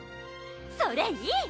それいい！